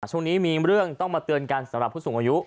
ช่วงนี้มีเรื่องต้องมาเตือนกันสำหรับผู้สูงอายุ